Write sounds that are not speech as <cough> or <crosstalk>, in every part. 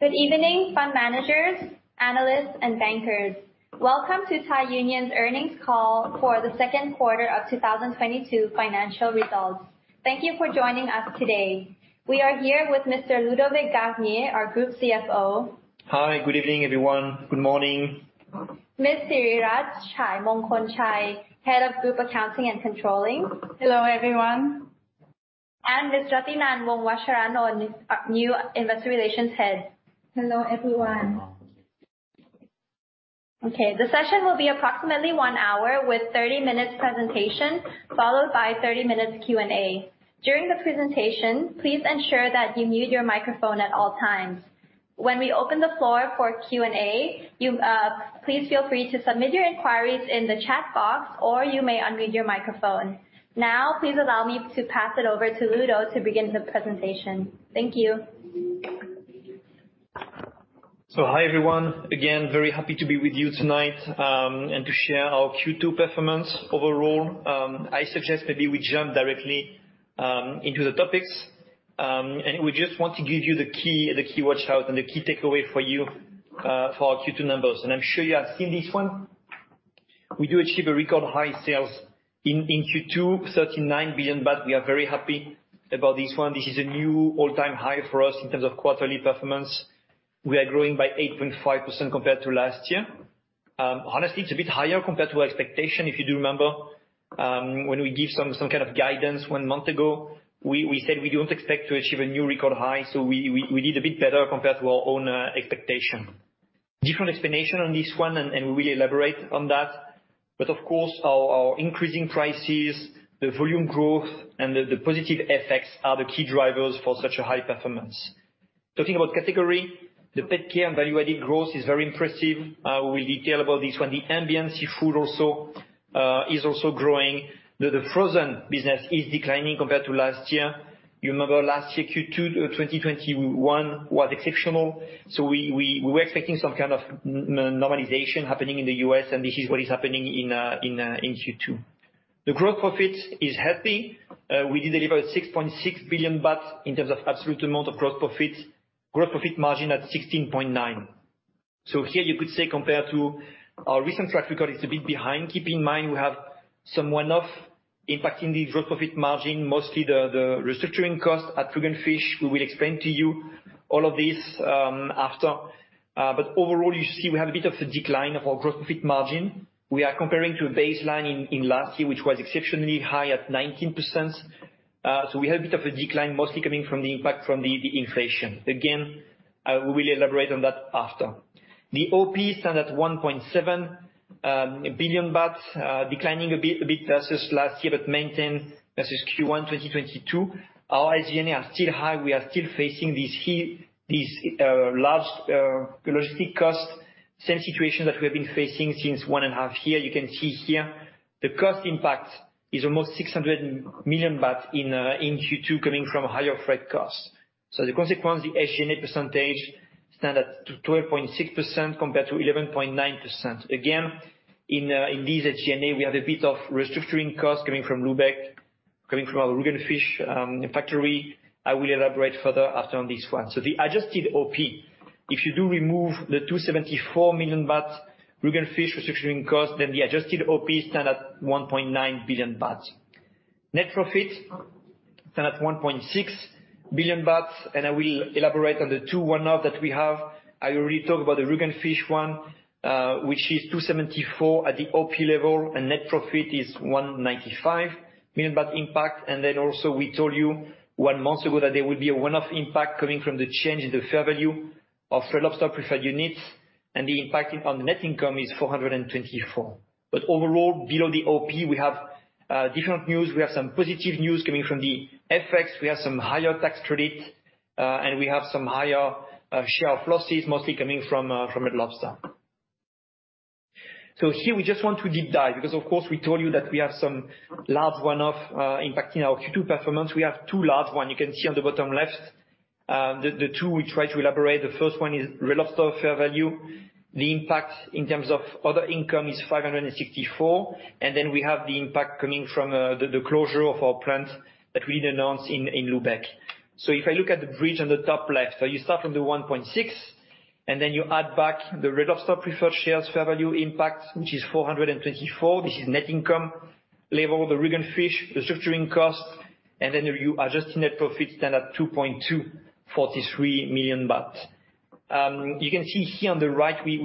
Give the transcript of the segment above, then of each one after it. Good evening, fund managers, analysts, and bankers. Welcome to Thai Union's earnings call for the second quarter of 2022 financial results. Thank you for joining us today. We are here with Mr. Ludovic Garnier, our Group CFO. Hi, good evening, everyone. Good morning. Ms. Arunrat Surattanajindaporn, Head of Group Accounting and Controlling. Hello, everyone. Ms. Ratinan Wongwatcharanon, our new Investor Relations Head. Hello, everyone. Okay. The session will be approximately 1 hour with 30 minutes presentation, followed by 30 minutes Q&A. During the presentation, please ensure that you mute your microphone at all times. When we open the floor for Q&A, you please feel free to submit your inquiries in the chat box, or you may unmute your microphone. Now, please allow me to pass it over to Ludo to begin the presentation. Thank you. Hi, everyone. Again, very happy to be with you tonight and to share our Q2 performance overall. I suggest maybe we jump directly into the topics. We just want to give you the key watch out and the key takeaway for you, for our Q2 numbers. I'm sure you have seen this one. We do achieve a record high sales in Q2, 39 billion baht. We are very happy about this one. This is a new all-time high for us in terms of quarterly performance. We are growing by 8.5% compared to last year. Honestly, it's a bit higher compared to our expectation. If you do remember, when we give some guidance one month ago, we said we don't expect to achieve a new record high, so we did a bit better compared to our own expectation. Different explanation on this one and we elaborate on that. Of course our increasing prices, the volume growth and the positive effects are the key drivers for such a high performance. Talking about category, the PetCare and Value-Added growth is very impressive. We will detail about this one. The Ambient Seafood also is growing. The Frozen business is declining compared to last year. You remember last year, Q2 2021 was exceptional, so we were expecting some normalization happening in the U.S., and this is what is happening in Q2. The gross profit is healthy. We did deliver 6.6 billion baht in terms of absolute amount of gross profit. Gross profit margin at 16.9%. Here you could say compared to our recent track record, it's a bit behind. Keep in mind we have some one-off impacting the gross profit margin, mostly the restructuring costs at Rügen Fisch. We will explain to you all of this, after. Overall you see we have a bit of a decline of our gross profit margin. We are comparing to a baseline in last year, which was exceptionally high at 19%. We have a bit of a decline, mostly coming from the impact from the inflation. Again, we will elaborate on that after. The OP stands at 1.7 billion baht, declining a bit versus last year, but maintained versus Q1 2022. Our SG&A are still high. We are still facing this large logistic cost. Same situation that we have been facing since one and a half year. You can see here the cost impact is almost 600 million baht in Q2 coming from higher freight costs. The consequence, the SG&A percentage stands at 12.6% compared to 11.9%. Again, in this SG&A, we have a bit of restructuring costs coming from Lübeck, coming from our Rügen Fisch factory. I will elaborate further after on this one. The adjusted OP, if you do remove the 274 million baht Rügen Fisch restructuring cost, then the adjusted OPs stand at 1.9 billion baht. Net profit stand at 1.6 billion baht, and I will elaborate on the two one-off that we have. I already talked about the Rügen Fisch one, which is 274 at the OP level, and net profit is 195 million baht impact. we told you one month ago that there would be a one-off impact coming from the change in the fair value of Red Lobster preferred units, and the impact on the net income is 424 million. overall, below the OP, we have different news. We have some positive news coming from the FX. We have some higher tax credits, and we have some higher share of losses, mostly coming from Red Lobster. Here we just want to deep dive because of course we told you that we have some large one-off impacting our Q2 performance. We have two large one. You can see on the bottom left, the two we try to elaborate. The first one is Red Lobster fair value. The impact in terms of other income is 564, and then we have the impact coming from the closure of our plant that we announced in Lübeck. If I look at the bridge on the top left, you start from the 1.6, and then you add back the Red Lobster preferred shares fair value impact, which is 424. This is net income level, the Rügen Fisch, the structuring cost, and then your adjusted net profit stand at 242.43 million baht. You can see here on the right, we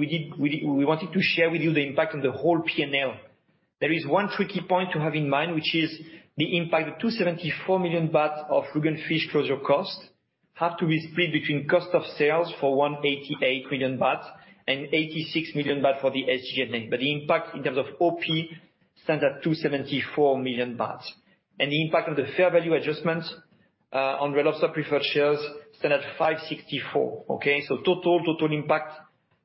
wanted to share with you the impact on the whole P&L. There is one tricky point to have in mind, which is the impact of 274 million baht of Rügen Fisch closure cost have to be split between cost of sales for 188 million baht and 86 million baht for the SG&A. The impact in terms of OP stands at 274 million baht. The impact on the fair value adjustments on Red Lobster preferred shares stand at 564 million. Okay. Total impact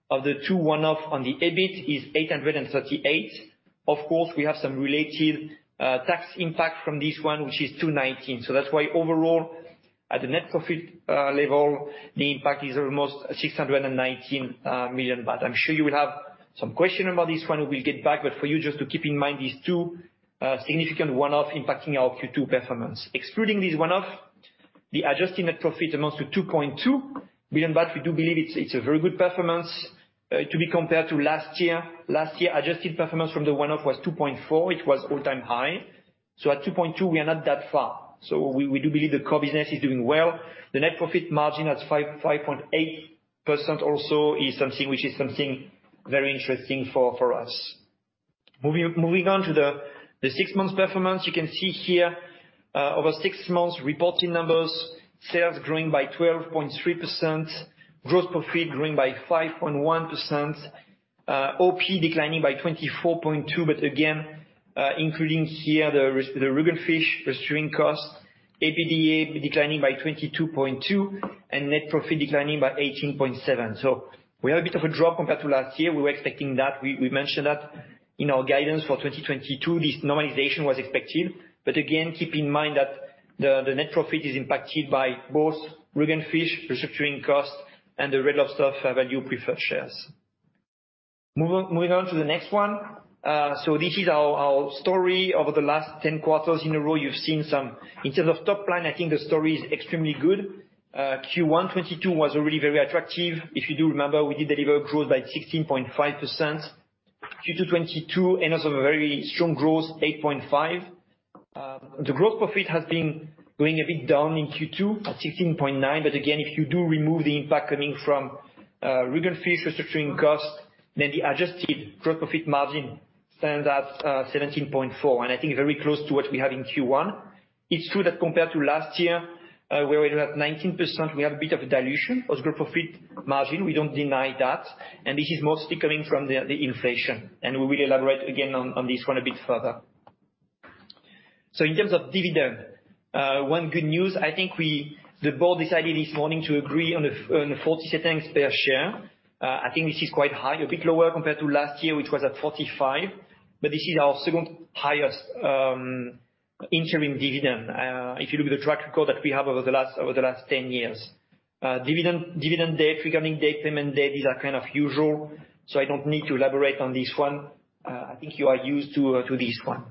of the two one-off on the EBIT is 838 million. Of course, we have some related tax impact from this one, which is 219. That's why overall at the net profit level, the impact is almost 619 million baht. I'm sure you will have some questions about this one. We'll get back. For you just to keep in mind these two significant one-offs impacting our Q2 performance. Excluding this one-off, the adjusted net profit amounts to 2.2 billion baht. We do believe it's a very good performance to be compared to last year. Last year, adjusted performance from the one-off was 2.4. It was all-time high. At 2.2, we are not that far. We do believe the core business is doing well. The net profit margin at 5.8% also is something very interesting for us. Moving on to the six months performance. You can see here over six months reporting numbers, sales growing by 12.3%, gross profit growing by 5.1%. OP declining by 24.2%. But again, including here the Rügen Fisch restructuring cost. EBITDA declining by 22.2%, and net profit declining by 18.7%. We have a bit of a drop compared to last year. We were expecting that. We mentioned that in our guidance for 2022, this normalization was expected. But again, keep in mind that the net profit is impacted by both Rügen Fisch restructuring costs and the Red Lobster fair value preferred shares. Moving on to the next one. This is our story over the last ten quarters in a row. You've seen some. In terms of top line, I think the story is extremely good. Q1 2022 was already very attractive. If you do remember, we did deliver growth by 16.5%. Q2 2022 ended on a very strong growth, 8.5%. The gross profit has been going a bit down in Q2 at 16.9%. Again, if you do remove the impact coming from Rügen Fisch restructuring costs, then the adjusted gross profit margin stands at 17.4%, and I think very close to what we had in Q1. It's true that compared to last year, where we were at 19%, we had a bit of a dilution of gross profit margin. We don't deny that. This is mostly coming from the inflation, and we will elaborate again on this one a bit further. In terms of dividend, one good news, I think the board decided this morning to agree on a 40 satang per share. I think this is quite high, a bit lower compared to last year, which was at 45, but this is our second highest interim dividend, if you look at the track record that we have over the last 10 years. Dividend date, recording date, payment date, these are usual, so I don't need to elaborate on this one. I think you are used to this one.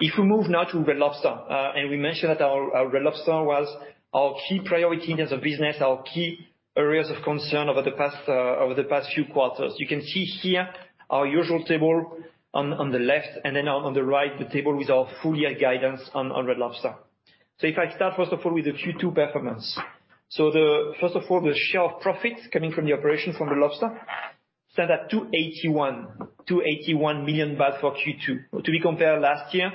If we move now to Red Lobster, and we mentioned that our Red Lobster was our key priority in terms of business, our key areas of concern over the past few quarters. You can see here our usual table on the left, and then on the right, the table with our full year guidance on Red Lobster. If I start, first of all, with the Q2 performance. First of all, the share of profits coming from the operation from Red Lobster stands at 281 million baht for Q2. To be compared last year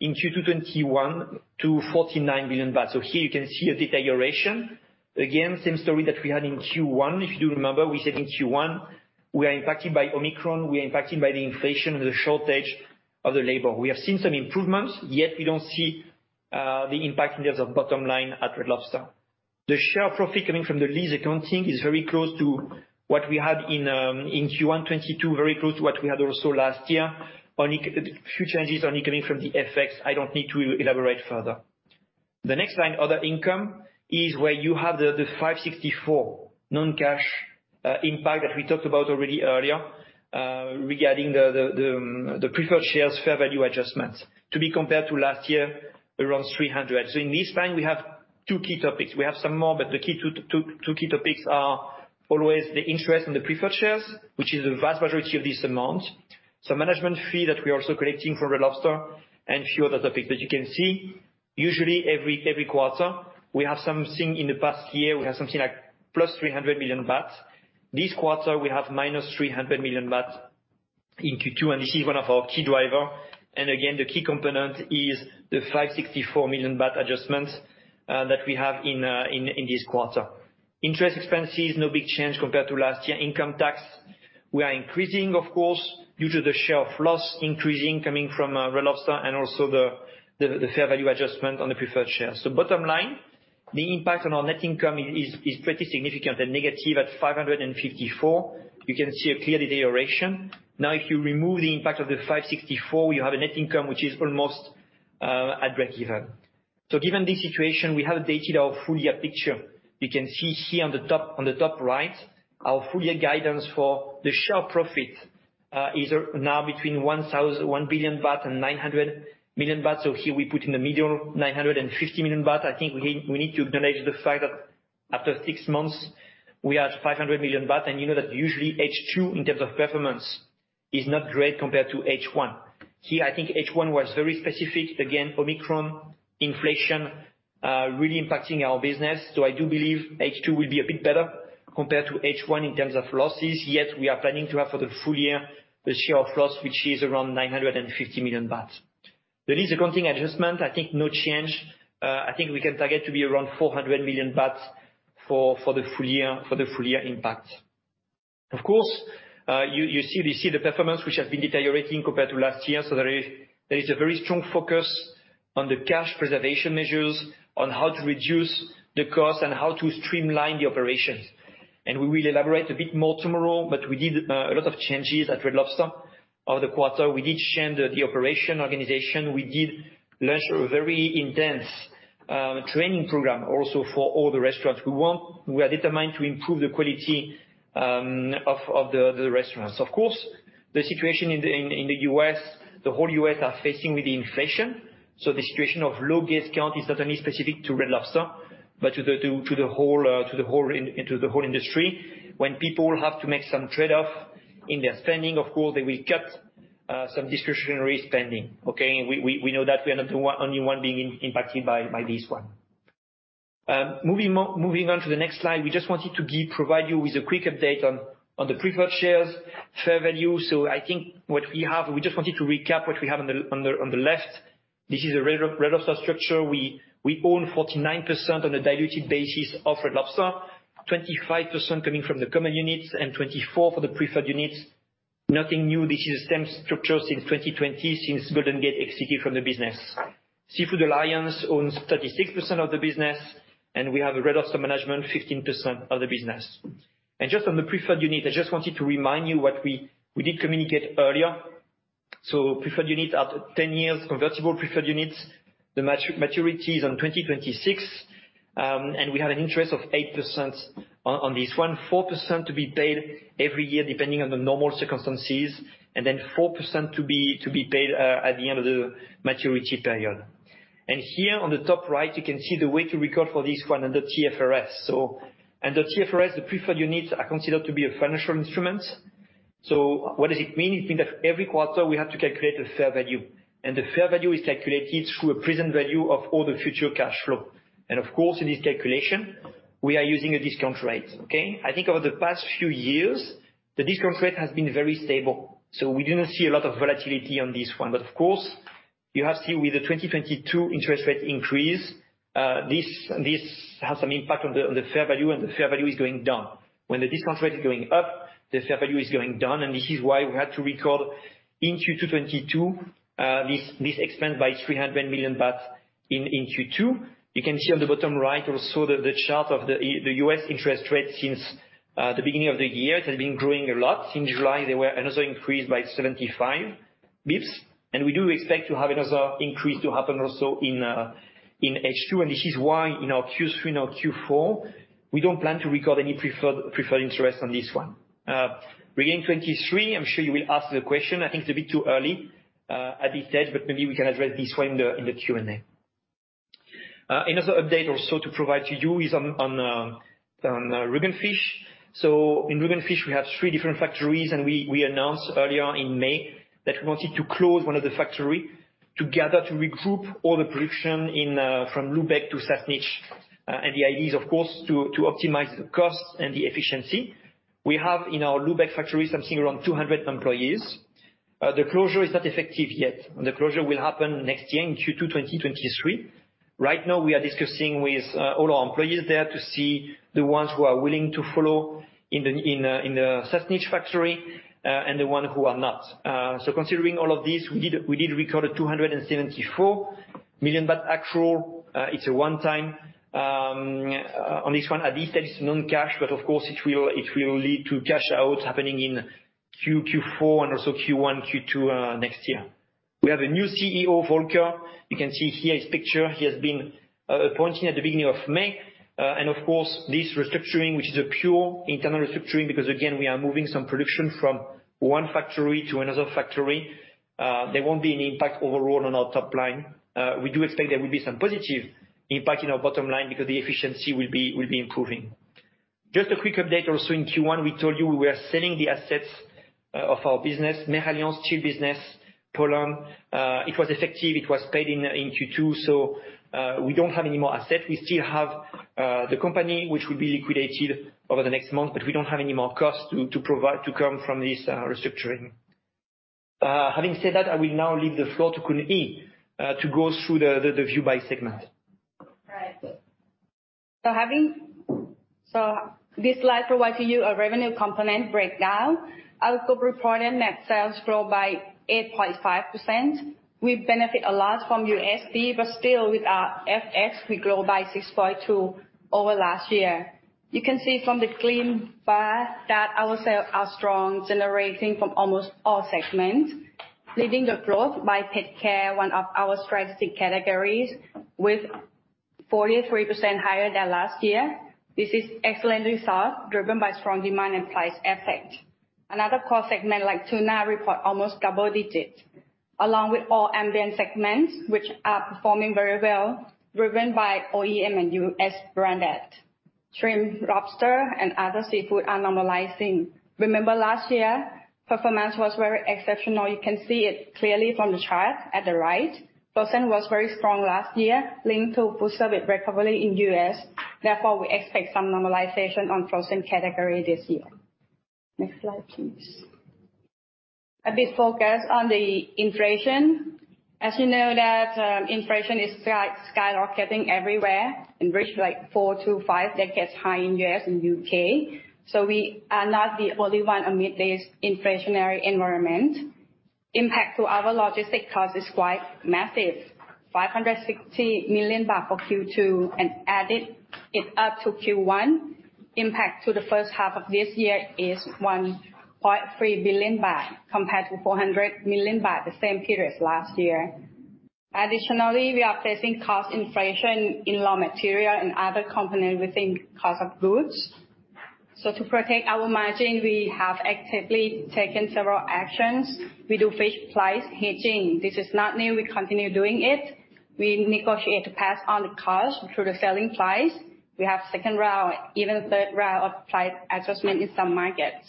in Q2 2021, 249 million baht. Here you can see a deterioration. Again, same story that we had in Q1. If you do remember, we said in Q1 we are impacted by Omicron, we are impacted by the inflation and the shortage of the labor. We have seen some improvements, yet we don't see the impact in terms of bottom line at Red Lobster. The share profit coming from the lease accounting is very close to what we had in Q1 2022, very close to what we had also last year. Only few changes only coming from the FX. I don't need to elaborate further. The next line, other income, is where you have the 564 non-cash impact that we talked about already earlier regarding the preferred shares fair value adjustments. To be compared to last year, around 300. In this line, we have two key topics. We have some more, but the key two key topics are always the interest in the preferred shares, which is the vast majority of this amount. Management fee that we are also collecting from Red Lobster and few other topics. You can see usually every quarter we have something. In the past year, we have something like +300 million baht. This quarter we have -300 million baht in Q2, and this is one of our key driver. The key component is the 564 million baht adjustments that we have in this quarter. Interest expenses, no big change compared to last year. Income tax, we are increasing, of course, due to the share of loss increasing coming from Red Lobster and also the fair value adjustment on the preferred shares. Bottom line, the impact on our net income is pretty significant and negative at 554 million. You can see a clear deterioration. Now, if you remove the impact of the 564 million, you have a net income which is almost at breakeven. Given this situation, we have updated our full year picture. You can see here on the top, on the top right, our full year guidance for the share profit is now between 1 billion baht and 900 million baht. Here we put in the middle 950 million baht. I think we need to acknowledge the fact that after six months we are at 500 million baht. That usually H2 in terms of performance is not great compared to H1. Here, I think H1 was very specific. Again, Omicron, inflation really impacting our business. I do believe H2 will be a bit better compared to H1 in terms of losses. Yet, we are planning to have for the full year the share of loss, which is around 950 million baht. The lease accounting adjustment, I think no change. I think we can target to be around 400 million baht for the full year impact. Of course, you see the performance which has been deteriorating compared to last year. There is a very strong focus on the cash preservation measures, on how to reduce the cost and how to streamline the operations. We will elaborate a bit more tomorrow, but we did a lot of changes at Red Lobster over the quarter. We did change the operation organization. We did launch a very intense training program also for all the restaurants. We are determined to improve the quality of the restaurants, of course. The situation in the U.S., the whole U.S. is facing with the inflation. So the situation of low guest count is not only specific to Red Lobster, but to the whole industry. When people have to make some trade-off in their spending, of course, they will cut some discretionary spending. Okay. We know that we are not the only one being impacted by this one. Moving on to the next slide. We just wanted to provide you with a quick update on the preferred shares fair value. I think what we have, we just wanted to recap what we have on the left. This is a Red Lobster structure. We own 49% on a diluted basis of Red Lobster. 25% coming from the common units and 24 for the preferred units. Nothing new. This is the same structure since 2020, since Golden Gate exited from the business. Seafood Alliance owns 36% of the business, and we have Red Lobster management 15% of the business. Just on the preferred unit, I just wanted to remind you what we did communicate earlier. Preferred units are 10 years convertible preferred units. The maturity is on 2026. We have an interest of 8% on this one, 4% to be paid every year, depending on the normal circumstances, and then 4% to be paid at the end of the maturity period. Here on the top right, you can see the way to record for this one under TFRS. Under TFRS, the preferred units are considered to be a financial instrument. What does it mean? It means that every quarter we have to calculate the fair value, and the fair value is calculated through a present value of all the future cash flow. Of course, in this calculation, we are using a discount rate. Okay? I think over the past few years, the discount rate has been very stable. We didn't see a lot of volatility on this one. Of course, you have seen with the 2022 interest rate increase, this has some impact on the fair value, and the fair value is going down. When the discount rate is going up, the fair value is going down, and this is why we had to record in Q2 2022, this expense by 300 million baht in Q2. You can see on the bottom right also the chart of the U.S. interest rate since the beginning of the year. It has been growing a lot. Since July, there were another increase by 75 basis points, and we do expect to have another increase to happen also in H2. This is why in our Q3 and our Q4, we don't plan to record any preferred interest on this one. Beginning 2023, I'm sure you will ask the question. I think it's a bit too early at this stage, but maybe we can address this one in the Q&A. Another update also to provide to you is on Rügen Fisch. In Rügen Fisch, we have three different factories, and we announced earlier in May that we wanted to close one of the factories together to regroup all the production from Lübeck to Sassnitz. The idea is, of course, to optimize the costs and the efficiency. We have in our Lübeck factory something around 200 employees. The closure is not effective yet. The closure will happen next year in Q2 2023. Right now we are discussing with all our employees there to see the ones who are willing to follow in the Sassnitz factory and the ones who are not. Considering all of this, we did record 274 million baht actual. It's a one-time on this one. At this stage it's non-cash, but of course it will lead to cash outs happening in Q4 and also Q1, Q2 next year. We have a new CEO, Volker. You can see here his picture. He has been appointed at the beginning of May. Of course, this restructuring, which is a pure internal restructuring, because again, we are moving some production from one factory to another factory, there won't be an impact overall on our top line. We expect there will be some positive impact in our bottom line because the efficiency will be improving. Just a quick update also in Q1, we told you we are selling the assets of our business, Meralliance smoked salmon business, Poland. It was effective. It was paid in Q2. We don't have any more assets. We still have the company which will be liquidated over the next month, but we don't have any more costs to provide to come from this restructuring. Having said that, I will now leave the floor to Khun Ead to go through the view by segment. This slide provides to you a revenue component breakdown. Our group reported net sales grew by 8.5%. We benefit a lot from USD, but still with our FX, we grow by 6.2% over last year. You can see from the green bar that our sales are strong, generating from almost all segments, leading the growth by PetCare, one of our strategic categories, with 43% higher than last year. This is excellent result, driven by strong demand and price effect. Another core segment, like tuna, reports almost double digits, along with all Ambient segments, which are performing very well, driven by OEM and U.S. branded. Shrimp, lobster, and other seafood are normalizing. Remember, last year, performance was very exceptional. You can see it clearly from the chart at the right. Frozen was very strong last year, linked to foodservice recovery in the U.S. Therefore, we expect some normalization on Frozen category this year. Next slide, please. A bit focused on the inflation. As you know that, inflation is skyrocketing everywhere and reached like four to five-decade high in the U.S. and U.K. We are not the only one amid this inflationary environment. Impact to our logistic cost is quite massive. 560 million baht for Q2 and added it up to Q1. Impact to the first half of this year is 1.3 billion baht compared to 400 million baht the same period last year. Additionally, we are facing cost inflation in raw material and other components within cost of goods. To protect our margin, we have actively taken several actions. We do fish price hedging. This is not new. We continue doing it. We negotiate to pass on the cost through the selling price. We have second round, even third round of price adjustment in some markets.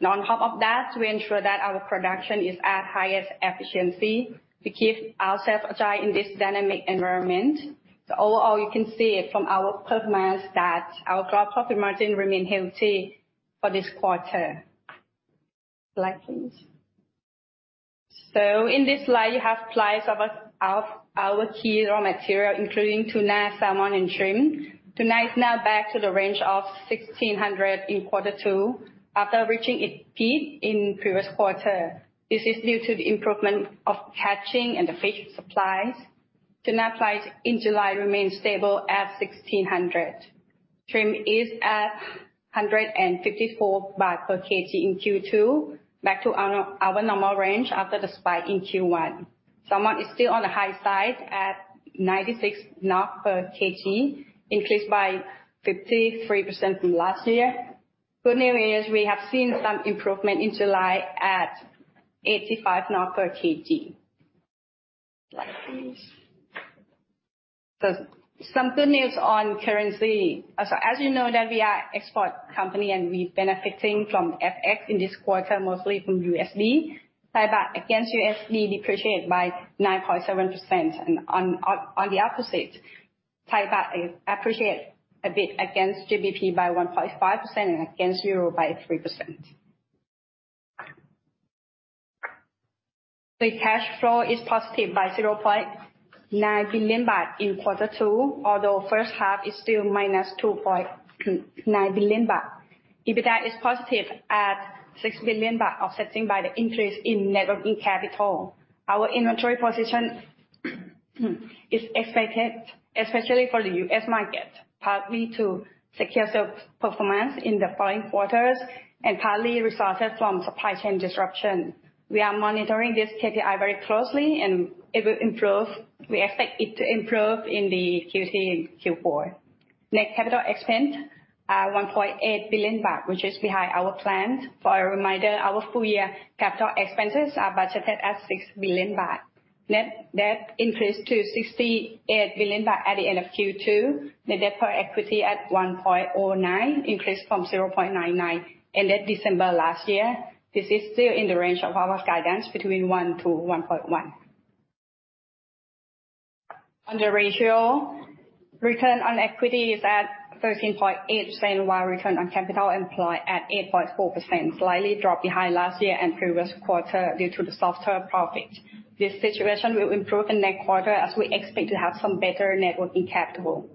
Now on top of that, we ensure that our production is at highest efficiency to keep ourselves agile in this dynamic environment. Overall, you can see it from our performance that our gross profit margin remain healthy for this quarter. Slide, please. In this slide, you have price of our key raw material, including tuna, salmon, and shrimp. Tuna is now back to the range of 1,600 in quarter two, after reaching its peak in previous quarter. This is due to the improvement of catching and the fish supplies. Tuna price in July remains stable at 1,600. Shrimp is at 154 baht per kg in Q2, back to our normal range after the spike in Q1. Salmon is still on the high side at 96 NOK per kg, increased by 53% from last year. Good news is we have seen some improvement in July at 85 NOK per kg. Slide, please. Some good news on currency. As you know that we are export company, and we're benefiting from FX in this quarter, mostly from USD. Thai baht against USD depreciated by 9.7%. On the opposite, Thai baht is appreciated a bit against GBP by 1.5% and against euro by 3%. The cash flow is positive by 0.9 billion baht in quarter two, although first half is still -2.9 billion baht. EBITDA is positive at 6 billion baht, offsetting by the increase in net working capital. Our inventory position is expected, especially for the U.S. market, partly to secure sales performance in the following quarters and partly resulted from supply chain disruption. We are monitoring this KPI very closely, and it will improve. We expect it to improve in the Q3 and Q4. Net CapEx, 1.8 billion baht, which is behind our plan. As a reminder, our full year CapEx are budgeted at 6 billion baht. Net debt increased to 68 billion baht at the end of Q2. Net debt per equity at 1.09, increased from 0.99, ended December last year. This is still in the range of our guidance between 1-1.1. On the ratio, return on equity is at 13.8%, while return on capital employed at 8.4%, slightly dropped behind last year and previous quarter due to the softer profit. This situation will improve in next quarter, as we expect to have some better net working capital.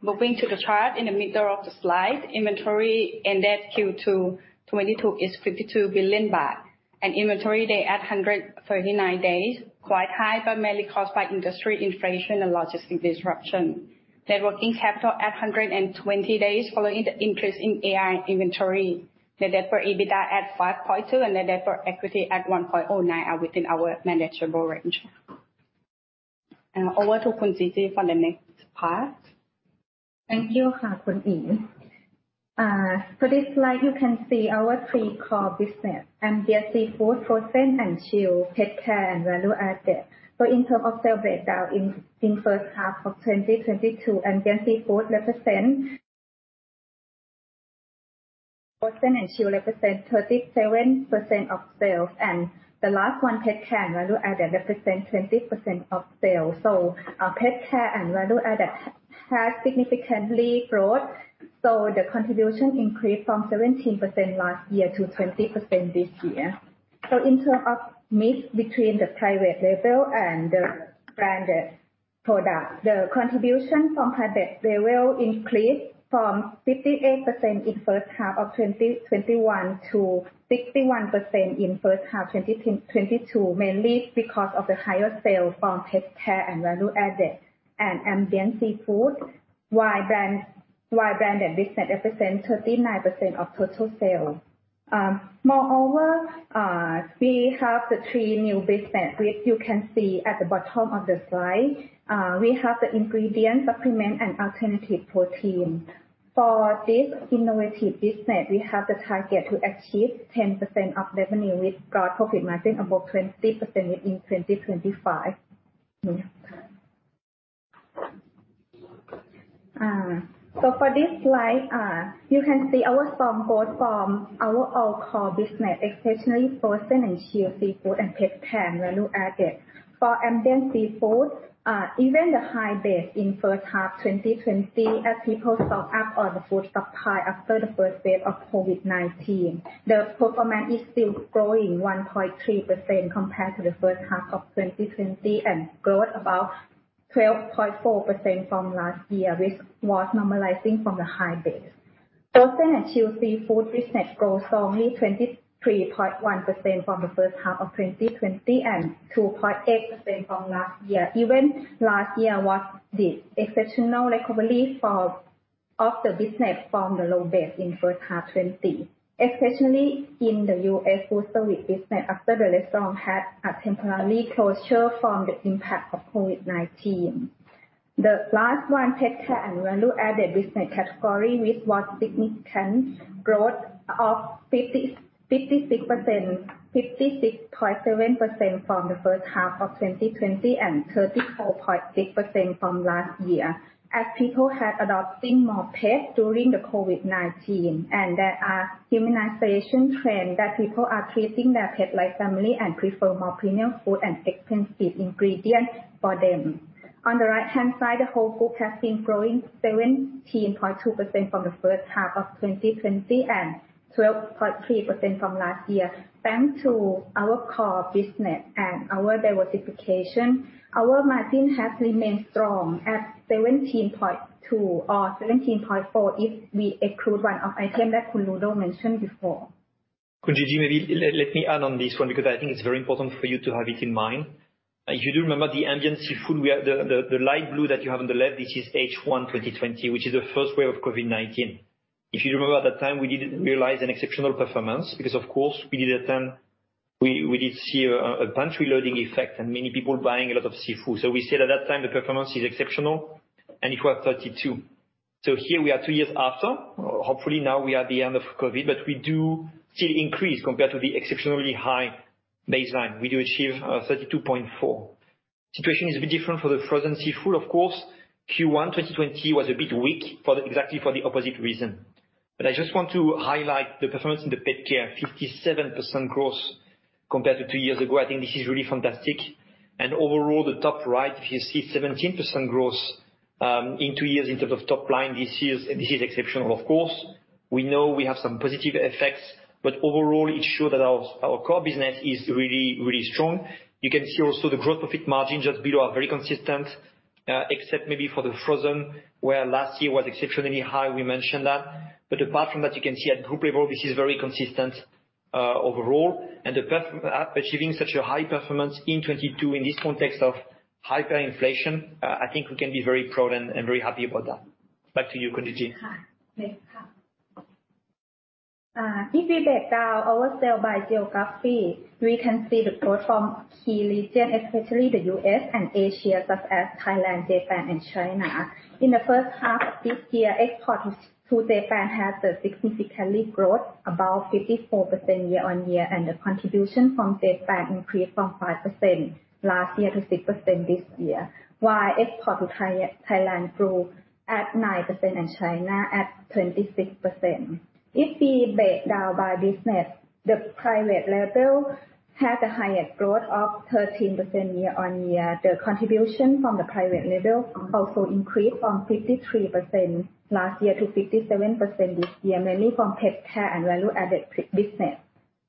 Moving to the chart in the middle of the slide, inventory ended Q2 2022 is 52 billion baht. Inventory days at 139 days, quite high, but mainly caused by industry inflation and logistics disruption. Net working capital at 120 days following the increase in AR and inventory. Net debt to EBITDA at 5.2 and net debt to equity at 1.09 are within our manageable range. Over to Khun GiGi for the next part. Thank you, Khun Ead. For this slide, you can see our three core business, Ambient Seafood, Frozen and Chilled, PetCare and Value-Added. In terms of sales breakdown in first half of 2022, Frozen and Chilled represent 37% of sales. The last one, PetCare and Value-Added, represent 20% of sales. PetCare and Value-Added has significantly growth. The contribution increased from 17% last year to 20% this year. In terms of mix between the private label and the branded product, the contribution from private label increased from 58% in first half of 2021 to 61% in first half 2022, mainly because of the higher sales from PetCare and Value-Added and Ambient Seafood. Branded business represent 39% of total sales. Moreover, we have the three new business which you can see at the bottom of the slide. We have the ingredient supplement and alternative protein. For this innovative business, we have the target to achieve 10% of revenue with gross profit margin above 20% in 2025. For this slide, you can see our strong growth from our all core business, especially Frozen and Chilled seafood and PetCare and Value-Added. For Ambient Seafood, even the high base in first half 2020, as people stock up on the food supply after the first wave of COVID-19, the performance is still growing 1.3% compared to the first half of 2020 and growth about 12.4% from last year, which was normalizing from the high base. Frozen and Chilled seafood business grow strongly, 23.1% from the first half of 2020 and 2.8% from last year. Even last year was the exceptional recovery for the business from the low base in first half of 2020, especially in the U.S. foodservice business after the restaurant had a temporary closure from the impact of COVID-19. The last one, PetCare and Value-Added business category, with a significant growth of 56.7% from the first half of 2020 and 34.6% from last year. As people are adopting more pets during the COVID-19, and there is a humanization trend that people are treating their pets like family and prefer more premium food and expensive ingredients for them. On the right-hand side, the whole group has been growing 17.2% from the first half of 2020 and 12.3% from last year. Thanks to our core business and our diversification, our margin has remained strong at 17.2% or 17.4%, if we exclude one item that Ludo mentioned before. Khun GiGi, maybe let me add on this one, because I think it's very important for you to have it in mind. If you do remember the Ambient Seafood, we had the light blue that you have on the left. This is H1 2020, which is the first wave of COVID-19. If you remember at that time, we didn't realize an exceptional performance because of course we did see a pantry loading effect and many people buying a lot of seafood. We said at that time the performance is exceptional, and it was 32%. Here we are two years after. Hopefully, now we are at the end of COVID, but we do still increase compared to the exceptionally high baseline. We do achieve 32.4%. Situation is a bit different for the Frozen Seafood, of course. Q1 2020 was a bit weak exactly for the opposite reason. I just want to highlight the performance in the PetCare. 57% growth compared to two years ago. I think this is really fantastic. Overall, the top right, if you see 17% growth in two years in terms of top line, this is exceptional, of course. We know we have some positive effects, but overall it showed that our core business is really, really strong. You can see also the gross profit margin just below are very consistent, except maybe for the Frozen, where last year was exceptionally high, we mentioned that. Apart from that, you can see at group level, this is very consistent overall. Achieving such a high performance in 2022, in this context of hyperinflation, I think we can be very proud and very happy about that. Back to you, Khun GiGi. Next. If we break down our sales by geography, we can see the growth from key regions, especially the U.S. and Asia, such as Thailand, Japan and China. In the first half of this year, exports to Japan has had significant growth, about 54% year-on-year, and the contribution from Japan increased from 5% last year to 6% this year. While exports to Thailand grew at 9% and China at 26%. If we break down by business, the private label has the highest growth of 13% year-on-year. The contribution from the private label also increased from 53% last year to 57% this year, mainly from PetCare and Value-Added business.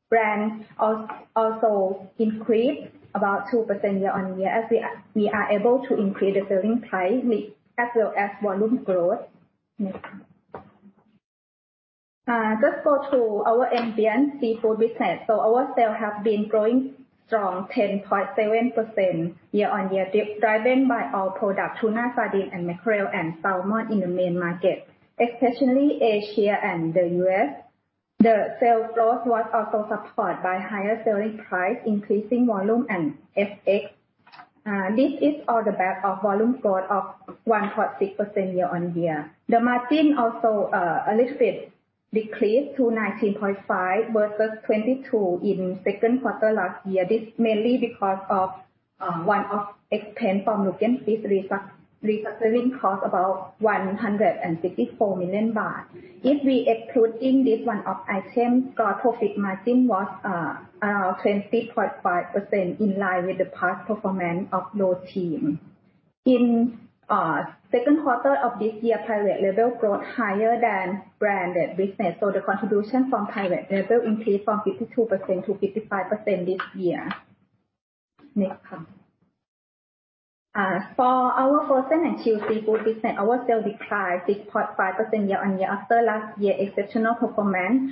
Brands also increased about 2% year-on-year as we are able to increase the selling price as well as volume growth. Next. Just go to our Ambient Seafood business. Our sales have been growing strong 10.7% year-on-year, driven by our product tuna, sardine and mackerel and salmon in the main market, especially Asia and the U.S.. The sales growth was also supported by higher selling price, increasing volume and FX. This is on the back of volume growth of 1.6% year-on-year. The margin also a little bit decreased to 19.5% versus 22% in second quarter last year. This mainly because of one-off expense from Lübeck restructuring cost, about 154 million baht. If we exclude this one-off item, gross profit margin was 20.5% in line with the past performance of the team. In second quarter of this year, private label growth higher than branded business. The contribution from private label increased from 52% to 55% this year. Next. For our Frozen and Chilled seafood business, our sales declined 6.5% year-on-year after last year exceptional performance,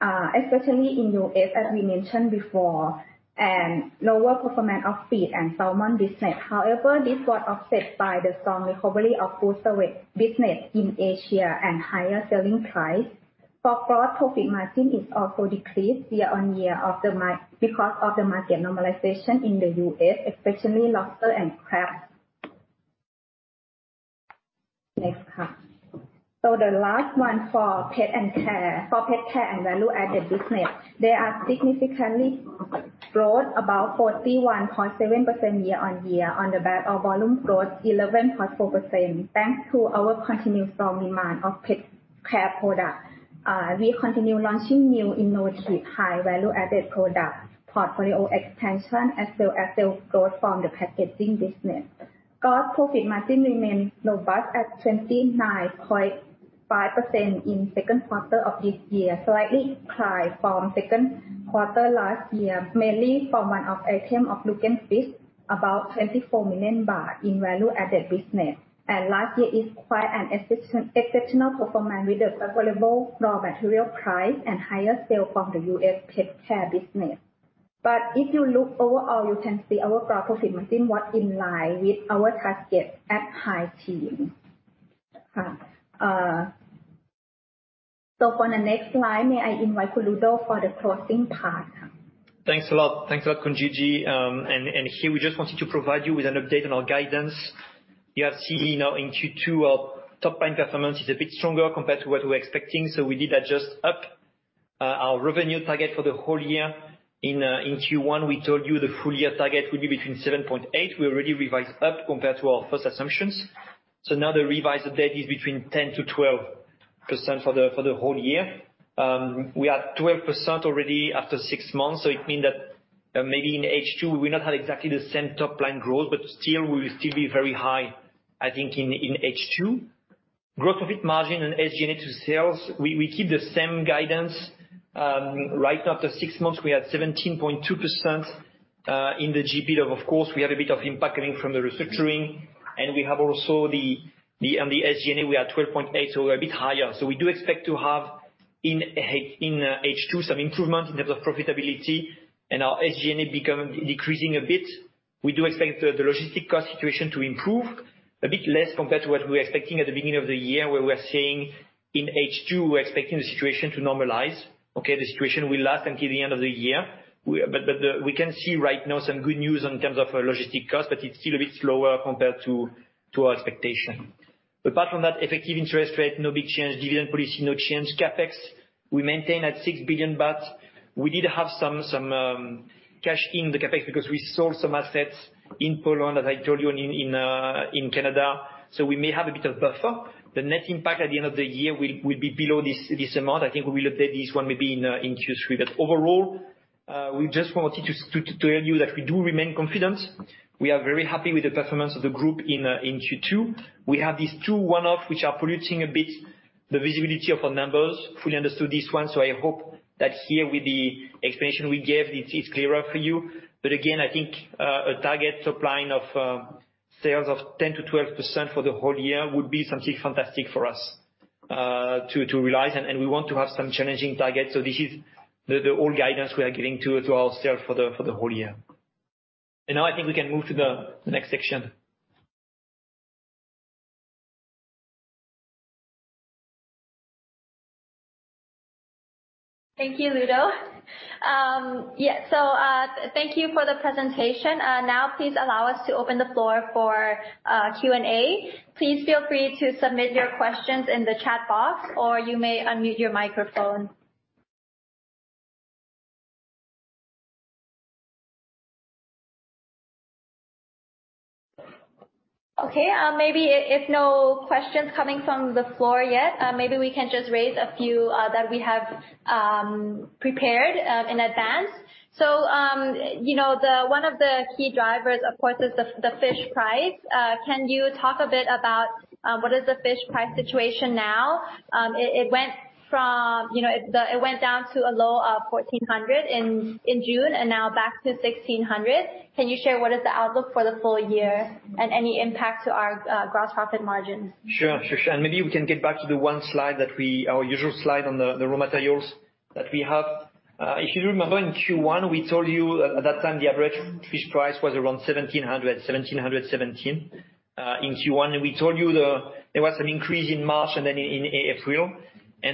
especially in the U.S., as we mentioned before. And lower performance of shrimp and salmon business. However, this was offset by the strong recovery of foodservice business in Asia and higher selling price. For gross profit margin is also decreased year-on-year because of the market normalization in the U.S., especially lobster and crab. Next. The last one for PetCare and Value-Added business. They are significantly growth about 41.7% year-on-year on the back of volume growth 11.4%, thanks to our continued strong demand of PetCare product. We continue launching new innovative high Value-Added product portfolio expansion as well as sales growth from the packaging business. Gross profit margin remained robust at 29.5% in second quarter of this year, slightly declined from second quarter last year, mainly from one of item of, <audio distortion> about 24 million baht in Value-Added business. Last year is quite an exceptional performance with the favorable raw material price and higher sale from the U.S. PetCare business. If you look overall, you can see our gross profit margin was in line with our target at high teens. On the next slide, may I invite Ludo for the closing part. Thanks a lot. Thanks a lot, Khun GiGi. Here we just wanted to provide you with an update on our guidance. You have seen now in Q2 our top line performance is a bit stronger compared to what we were expecting. We did adjust up our revenue target for the whole year. In Q1 we told you the full year target will be between 7.8%. We already revised up compared to our first assumptions. Now the revised update is between 10%-12% for the whole year. We are at 12% already after six months, so it mean that maybe in H2 we'll not have exactly the same top line growth, but still we will be very high, I think, in H2. Gross profit margin and SG&A sales, we keep the same guidance. Right after six months, we had 17.2% in the GP. Of course, we had a bit of impact coming from the restructuring. We have also on the SG&A we are 12.8%, so a bit higher. We do expect to have in H2 some improvement in terms of profitability and our SG&A become decreasing a bit. We do expect the logistics cost situation to improve a bit less compared to what we were expecting at the beginning of the year, where we are seeing in H2, we're expecting the situation to normalize. The situation will last until the end of the year. We can see right now some good news in terms of logistics cost, but it's still a bit slower compared to our expectation. Apart from that, effective interest rate, no big change. Dividend policy, no change. CapEx, we maintain at 6 billion baht. We did have some cash in the CapEx because we sold some assets in Poland, as I told you, and in Canada. So we may have a bit of buffer. The net impact at the end of the year will be below this amount. I think we will update this one maybe in Q3. Overall, we just wanted to tell you that we do remain confident. We are very happy with the performance of the group in Q2. We have these two one-off which are polluting a bit the visibility of our numbers. Fully understood this one, so I hope that here with the explanation we gave it's clearer for you. Again, I think a target top line of sales of 10%-12% for the whole year would be something fantastic for us to realize. We want to have some challenging targets. This is the old guidance we are giving to ourselves for the whole year. Now I think we can move to the next section. Thank you, Ludo. Yeah, so thank you for the presentation. Now please allow us to open the floor for Q&A. Please feel free to submit your questions in the chat box, or you may unmute your microphone. Okay, maybe if no questions coming from the floor yet, maybe we can just raise a few that we have prepared in advance. One of the key drivers, of course, is the fish price. Can you talk a bit about what is the fish price situation now? It went from, it went down to a low of 1,400 in June and now back to 1,600. Can you share what is the outlook for the full year and any impact to our gross profit margins? Sure, sure. Maybe we can get back to our usual slide on the raw materials that we have. If you remember in Q1, we told you at that time the average fish price was around 1,717 in Q1. We told you there was an increase in March and then in April.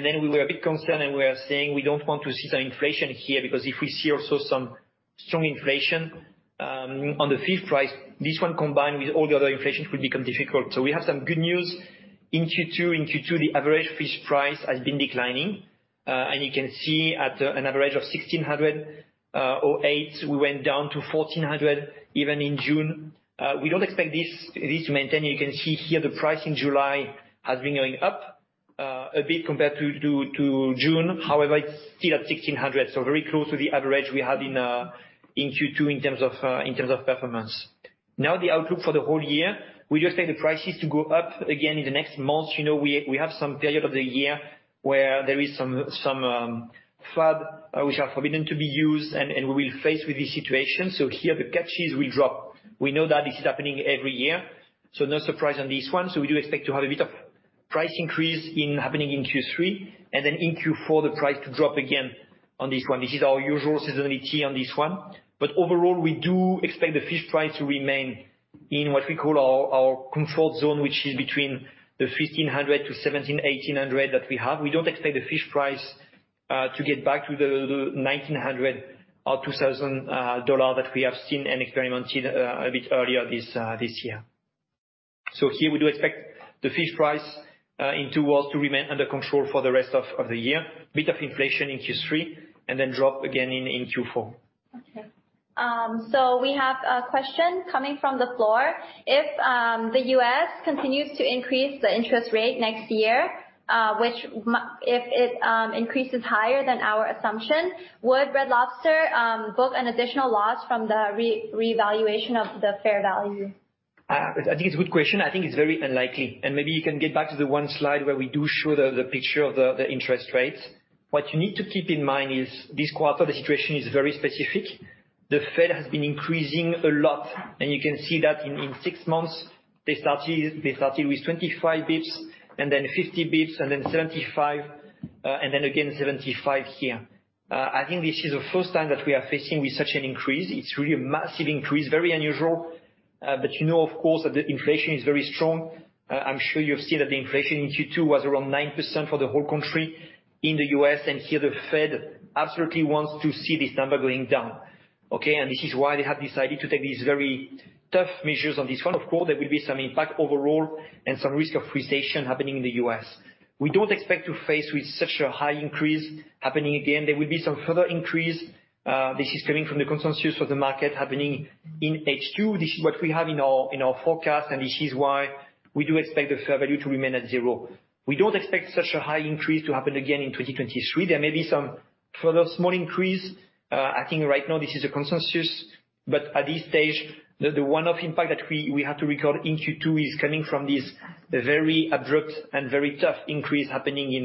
We were a bit concerned and we are saying we don't want to see some inflation here because if we see also some strong inflation on the fish price, this one combined with all the other inflation could become difficult. We have some good news. In Q2, the average fish price has been declining. You can see at an average of 1,608, we went down to 1,400 even in June. We don't expect this to maintain. You can see here the price in July has been going up a bit compared to June. However, it's still at 1,600, so very close to the average we had in Q2 in terms of performance. Now, the outlook for the whole year, we just take the prices to go up again in the next months. We have some period of the year where there is some FADs which are forbidden to be used and we will face with this situation. Here the catches will drop. We know that this is happening every year, so no surprise on this one. We do expect to have a bit of price increase happening in Q3, and then in Q4 the price to drop again on this one. This is our usual seasonality on this one. Overall, we do expect the fish price to remain in what we call our comfort zone, which is between $1,500 to $1,700-$1,800 that we have. We don't expect the fish price to get back to the $1,900 or $2,000 that we have seen and experienced a bit earlier this year. Here we do expect the fish price in the world to remain under control for the rest of the year. A bit of inflation in Q3 and then drop again in Q4. Okay. We have a question coming from the floor. If the U.S. continues to increase the interest rate next year, if it increases higher than our assumption, would Red Lobster book an additional loss from the revaluation of the fair value? I think it's a good question. I think it's very unlikely. Maybe you can get back to the one slide where we do show the picture of the interest rates. What you need to keep in mind is this quarter the situation is very specific. The Fed has been increasing a lot, and you can see that in six months. They started with 25 basis points, and then 50 basis points, and then 75, and then again 75 here. I think this is the first time that we are facing with such an increase. It's really a massive increase, very unusual. Of course, that the inflation is very strong. I'm sure you've seen that the inflation in Q2 was around 9% for the whole country in the U.S., and here the Fed absolutely wants to see this number going down, okay. This is why they have decided to take these very tough measures on this one. Of course, there will be some impact overall and some risk of recession happening in the U.S.. We don't expect to face with such a high increase happening again. There will be some further increase. This is coming from the consensus of the market happening in H2. This is what we have in our forecast, and this is why we do expect the fair value to remain at zero. We don't expect such a high increase to happen again in 2023. There may be some further small increase. I think right now this is a consensus, but at this stage, the one-off impact that we have to record in Q2 is coming from this very abrupt and very tough increase happening in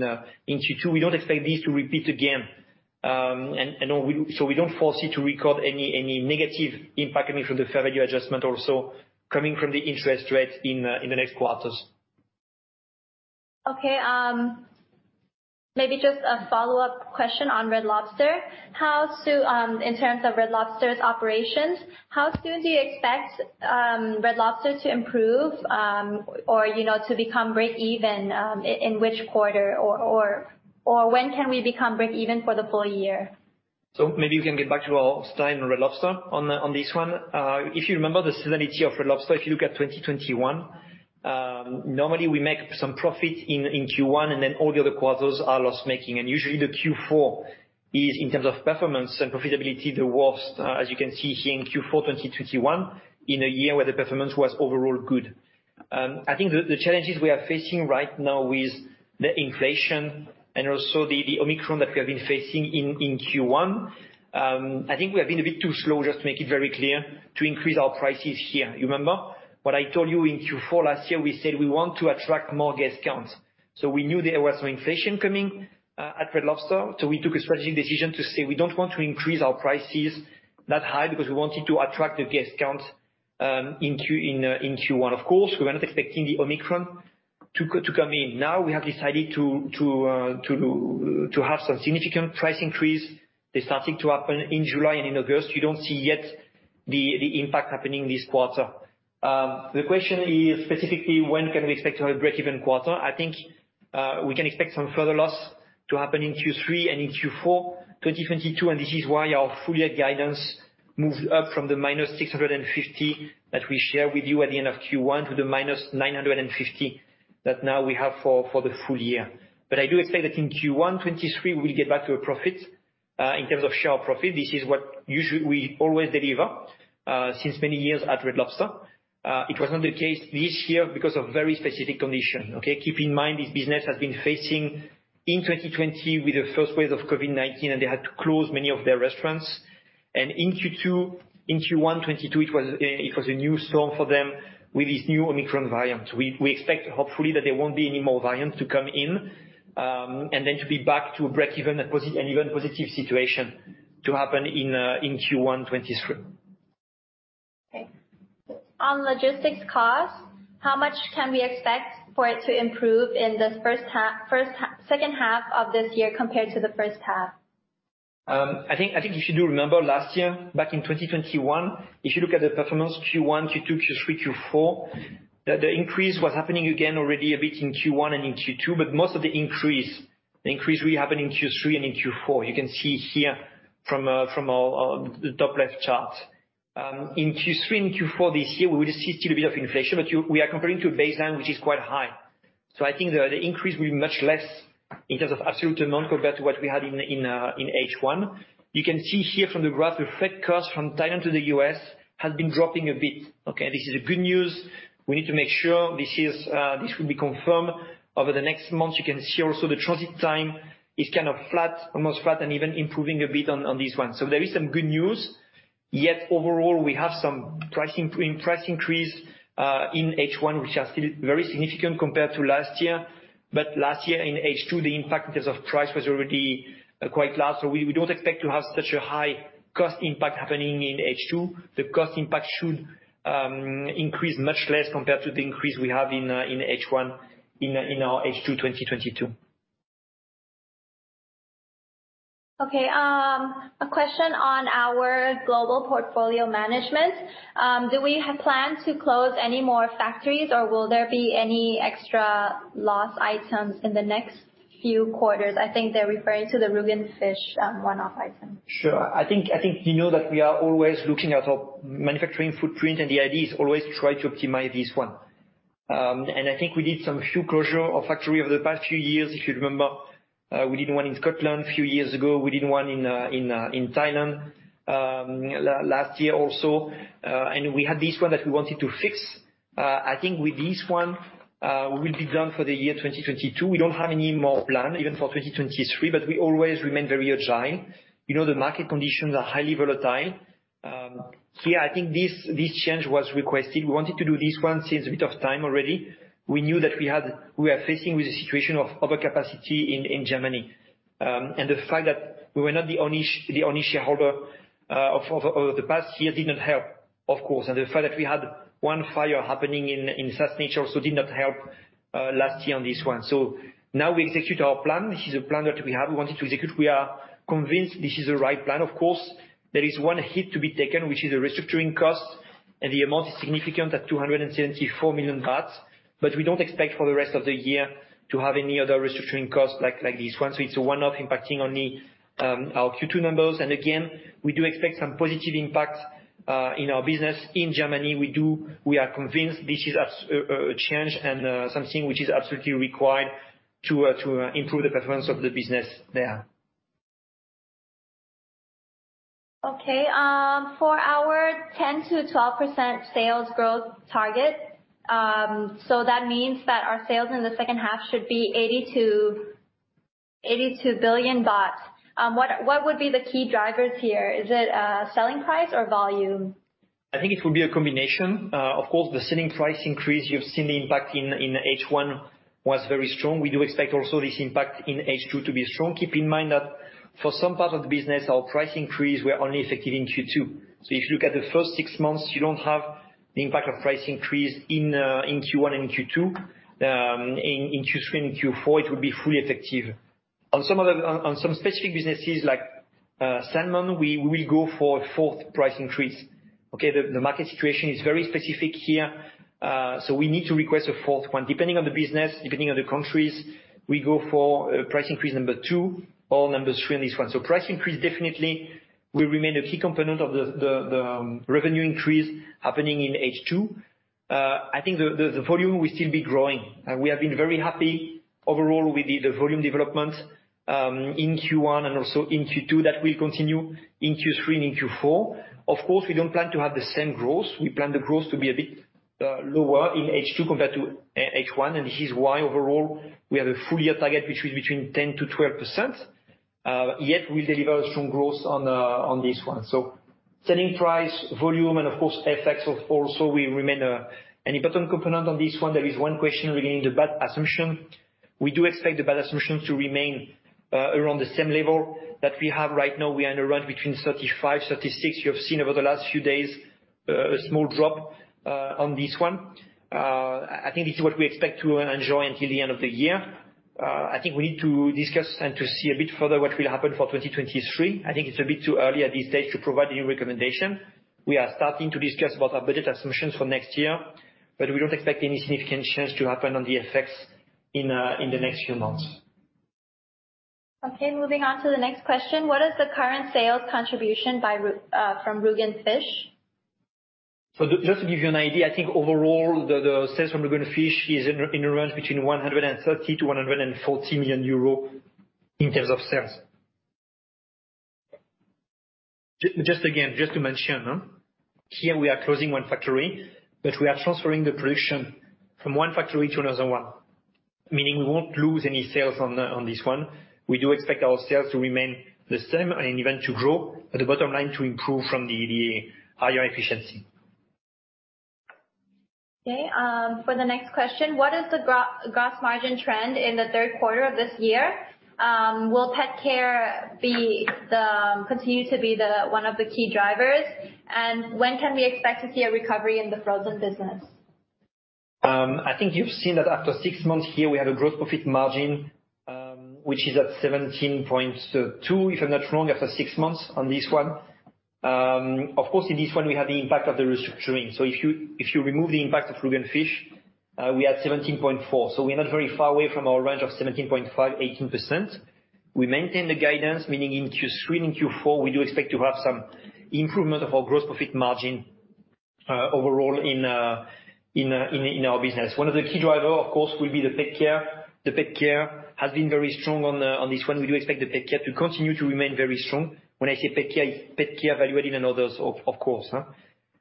Q2. We don't expect this to repeat again. We don't foresee to record any negative impact coming from the fair value adjustment also coming from the interest rate in the next quarters. Okay. Maybe just a follow-up question on Red Lobster. How soon, in terms of Red Lobster's operations, how soon do you expect Red Lobster to improve, or to become breakeven, in which quarter or when can we become breakeven for the full year? Maybe you can get back to our style in Red Lobster on this one. If you remember the seasonality of Red Lobster, if you look at 2021, normally we make some profit in Q1, and then all the other quarters are loss-making. Usually, the Q4 is, in terms of performance and profitability, the worst, as you can see here in Q4 2021, in a year where the performance was overall good. I think the challenges we are facing right now with the inflation and also the Omicron that we have been facing in Q1, I think we have been a bit too slow, just to make it very clear, to increase our prices here. You remember what I told you in Q4 last year, we said we want to attract more guest counts. We knew there was some inflation coming at Red Lobster, so we took a strategic decision to say we don't want to increase our prices that high because we wanted to attract the guest count in Q1. Of course, we were not expecting the Omicron to come in. Now we have decided to have some significant price increase. They're starting to happen in July and in August. You don't see yet the impact happening this quarter. The question is specifically when can we expect to have a breakeven quarter? I think we can expect some further loss to happen in Q3 and in Q4 2022, and this is why our full year guidance moved up from the -$650 that we shared with you at the end of Q1 to the -$950 that now we have for the full year. I do expect that in Q1 2023 we'll get back to a profit in terms of share profit. This is what usually we always deliver since many years at Red Lobster. It was not the case this year because of very specific condition, okay? Keep in mind, this business has been facing in 2020 with the first wave of COVID-19, and they had to close many of their restaurants. In Q1 2022, it was a new storm for them with this new Omicron variant. We expect hopefully that there won't be any more variants to come in, and then to be back to a breakeven, an even positive situation to happen in Q1 2023. Okay. On logistics costs, how much can we expect for it to improve in this second half of this year compared to the first half? I think if you do remember last year, back in 2021, if you look at the performance, Q1, Q2, Q3, Q4, the increase was happening again already a bit in Q1 and in Q2, but most of the increase, the increase will happen in Q3 and in Q4. You can see here from the top left chart. In Q3 and Q4 this year, we will see still a bit of inflation, but we are comparing to a baseline which is quite high. I think the increase will be much less in terms of absolute amount compared to what we had in H1. You can see here from the graph, the freight cost from Thailand to the U.S. has been dropping a bit, okay. This is good news. We need to make sure this will be confirmed over the next months. You can see also the transit time is flat, almost flat, and even improving a bit on this one. There is some good news. Overall, we have some price increase in H1, which are still very significant compared to last year. Last year in H2, the impact in terms of price was already quite large. We don't expect to have such a high cost impact happening in H2. The cost impact should increase much less compared to the increase we have in H1 in our H2 2022. Okay. A question on our global portfolio management. Do we have plans to close any more factories, or will there be any extra loss items in the next few quarters? I think they're referring to the Rügen Fisch one-off item. Sure. I think that we are always looking at our manufacturing footprint, and the idea is always try to optimize this one. I think we did some few closure of factory over the past few years. If you remember, we did one in Scotland a few years ago. We did one in Thailand last year also. We had this one that we wanted to fix. I think with this one, we'll be done for the year 2022. We don't have any more plan even for 2023, but we always remain very agile. The market conditions are highly volatile. Here I think this change was requested. We wanted to do this one since a bit of time already. We knew that we had. We are facing with a situation of overcapacity in Germany. The fact that we were not the only shareholder over the past year didn't help. Of course, the fact that we had one fire happening in Sassnitz also did not help last year on this one. Now we execute our plan. This is a plan that we have, we wanted to execute. We are convinced this is the right plan, of course. There is one hit to be taken, which is a restructuring cost, and the amount is significant at 274 million baht. We don't expect for the rest of the year to have any other restructuring costs like this one. It's a one-off impacting only our Q2 numbers. Again, we do expect some positive impact in our business in Germany. We are convinced this is a change and something which is absolutely required to improve the performance of the business there. For our 10%-12% sales growth target, that means that our sales in the second half should be 82 billion baht. What would be the key drivers here? Is it selling price or volume? I think it will be a combination. Of course, the selling price increase you've seen the impact in H1 was very strong. We do expect also this impact in H2 to be strong. Keep in mind that for some part of the business, our price increase will only effective in Q2. If you look at the first six months, you don't have the impact of price increase in Q1 and Q2. In Q3 and Q4, it will be fully effective. On some specific businesses like salmon, we go for fourth price increase, okay? The market situation is very specific here, so we need to request a fourth one. Depending on the business, depending on the countries, we go for a price increase number two or number three on this one. Price increase definitely will remain a key component of the revenue increase happening in H2. I think the volume will still be growing. We have been very happy overall with the volume development in Q1 and also in Q2. That will continue in Q3 and in Q4. Of course, we don't plan to have the same growth. We plan the growth to be a bit lower in H2 compared to H1. This is why overall we have a full year target which is between 10%-12%, yet we deliver strong growth on this one. Selling price, volume, and of course FX also will remain an important component on this one. There is one question regarding the bad debt assumption. We do expect the FX assumption to remain around the same level that we have right now. We are in a range between 35-36. You have seen over the last few days a small drop on this one. I think this is what we expect to enjoy until the end of the year. I think we need to discuss and to see a bit further what will happen for 2023. I think it's a bit too early at this stage to provide any recommendation. We are starting to discuss about our budget assumptions for next year, but we don't expect any significant change to happen on the FX in the next few months. Okay, moving on to the next question. What is the current sales contribution from Rügen Fisch? Just to give you an idea, I think overall the sales from Rügen Fisch is in a range between 130 million and 140 million euros in terms of sales. Just again, just to mention, here we are closing one factory, but we are transferring the production from one factory to another one, meaning we won't lose any sales on this one. We do expect our sales to remain the same and even to grow, but the bottom line to improve from the higher efficiency. Okay. For the next question, what is the gross margin trend in the third quarter of this year? Will PetCare continue to be one of the key drivers? When can we expect to see a recovery in the Frozen business? I think you've seen that after six months here we had a gross profit margin, which is at 17.2%, if I'm not wrong, after six months on this one. Of course, in this one we had the impact of the restructuring. If you remove the impact of Rügen Fisch, we had 17.4%. We're not very far away from our range of 17.5%-18%. We maintain the guidance, meaning in Q3 and in Q4, we do expect to have some improvement of our gross profit margin, overall in our business. One of the key driver, of course, will be the PetCare. The PetCare has been very strong on this one. We do expect the PetCare to continue to remain very strong. When I say PetCare, Value-Added and others, of course,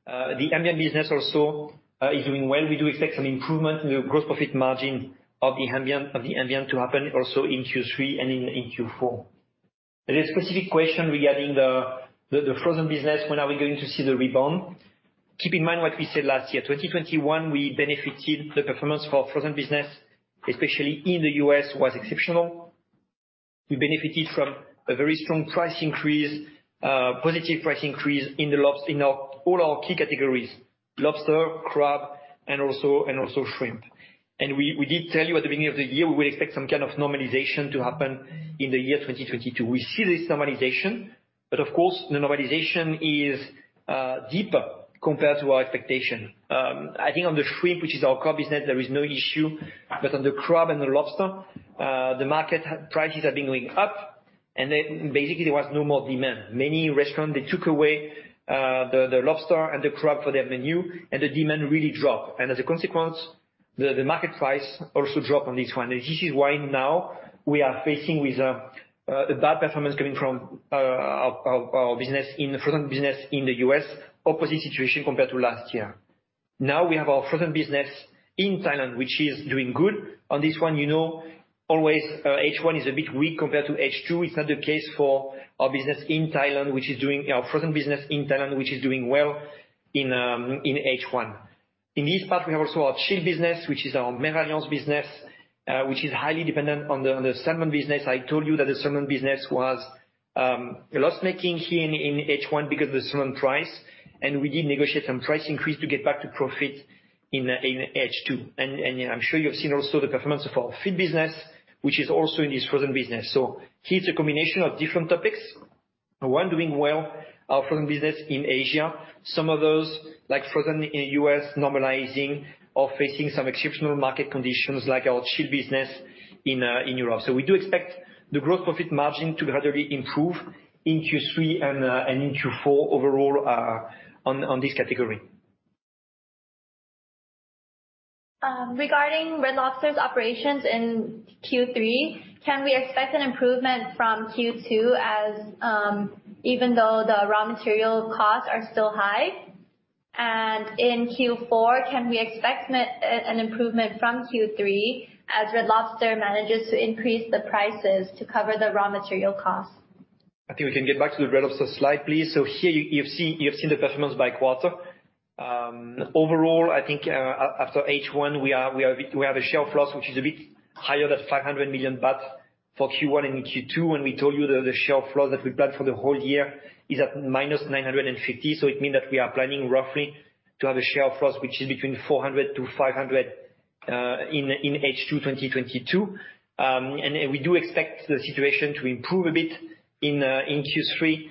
the Ambient business also is doing well. We do expect some improvement in the gross profit margin of the Ambient to happen also in Q3 and in Q4. There's a specific question regarding the Frozen business. When are we going to see the rebound? Keep in mind what we said last year. 2021, we benefited the performance for Frozen business, especially in the U.S., was exceptional. We benefited from a very strong price increase, positive price increase in all our key categories: lobster, crab, and also shrimp. We did tell you at the beginning of the year we expect some normalization to happen in the year 2022. We see this normalization, but of course, the normalization is deeper compared to our expectation. I think on the shrimp, which is our core business, there is no issue. On the crab and the lobster, the market prices have been going up, and then basically there was no more demand. Many restaurants, they took away the lobster and the crab for their menu, and the demand really dropped. As a consequence, the market price also dropped on this one. This is why now we are facing with a bad performance coming from our Frozen business in the U.S.. Opposite situation compared to last year. Now we have our Frozen business in Thailand, which is doing good. On this one, always H1 is a bit weak compared to H2. It's not the case for our business in Thailand, our Frozen business in Thailand, which is doing well in H1. In this part, we have also our Chilled business, which is our Meralliance business, which is highly dependent on the salmon business. I told you that the salmon business was loss-making here in H1 because of the salmon price, and we did negotiate some price increase to get back to profit in H2. I'm sure you've seen also the performance of our foodservice business, which is also in this Frozen business. Here it's a combination of different topics. One, doing well our Frozen business in Asia. Some of those like Frozen in U.S. normalizing or facing some exceptional market conditions like our chilled business in Europe. We do expect the gross profit margin to gradually improve in Q3 and in Q4 overall, on this category. Regarding Red Lobster's operations in Q3, can we expect an improvement from Q2 as even though the raw material costs are still high? In Q4, can we expect an improvement from Q3 as Red Lobster manages to increase the prices to cover the raw material costs? I think we can get back to the Red Lobster slide, please. Here you've seen the performance by quarter. Overall, I think after H1, we have a share loss which is a bit higher, that 500 million baht for Q1 and Q2. We told you that the share loss that we planned for the whole year is at -950 million. It means that we are planning roughly to have a share loss which is between 400 million-500 million in H2 2022. We do expect the situation to improve a bit in Q3.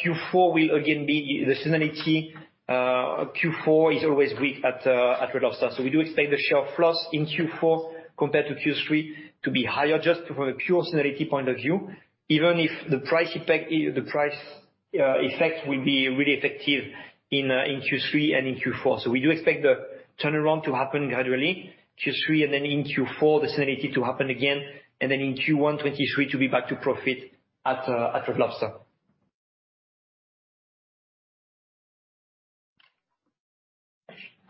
Q4 will again be the seasonality. Q4 is always weak at Red Lobster. We do expect the sales loss in Q4 compared to Q3 to be higher just from a pure seasonality point of view, even if the price effect will be really effective in Q3 and in Q4. We do expect the turnaround to happen gradually, Q3 and then in Q4, the seasonality to happen again, and then in Q1 2023 to be back to profit at Red Lobster.